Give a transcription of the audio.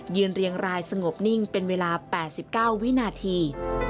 เรียงรายสงบนิ่งเป็นเวลา๘๙วินาที